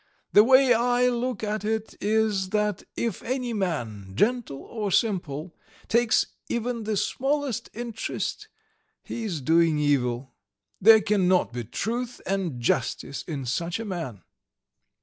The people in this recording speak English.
"The way I look at it is that if any man, gentle or simple, takes even the smallest interest, he is doing evil. There cannot be truth and justice in such a man."